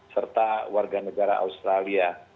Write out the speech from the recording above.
serta warga negara australia